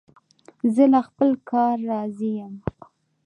زه له خپل کار راضي یم.